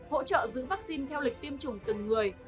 hỗ trợ giữ vắc xin theo lịch tiêm chủng từng người